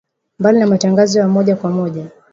Mbali na matangazo ya moja kwa moja